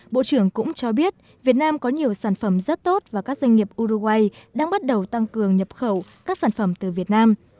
bộ trưởng cũng cho biết việt nam có nhiều sản phẩm rất tốt và các doanh nghiệp uruguay đang bắt đầu tăng cường nhập khẩu các sản phẩm từ việt nam